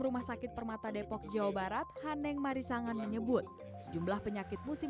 rumah sakit permata depok jawa barat haneng marisangan menyebut sejumlah penyakit musim